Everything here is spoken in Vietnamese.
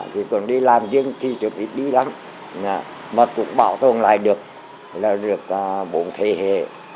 khi còn đi làm riêng thì được ít đi lắm mà cũng bảo tồn lại được là được bốn thế hệ